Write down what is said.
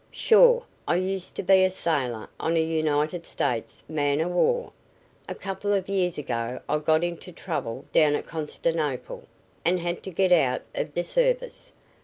"Sure! I used to be a sailor on a United States man o'war. A couple of years ago I got into trouble down at Constantinople and had to get out of de service.